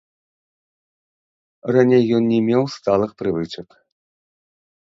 Раней ён не меў сталых прывычак.